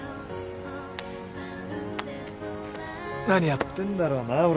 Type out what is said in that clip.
何やってんだろうな？